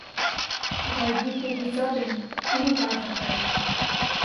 Вайди кугыза ден уныкаже каят.